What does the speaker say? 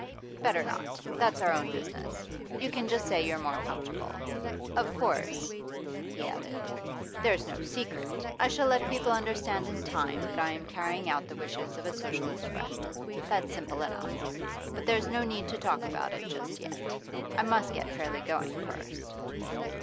'Better not That's our own business. You can just say you're more comfortable. Of course,' he added, 'there's no secret. I shall let people understand in time that I am carrying out the wishes of a Socialist friend. That's simple enough. But there's no need to talk about it just yet. I must get fairly going first.